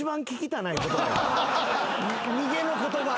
逃げの言葉。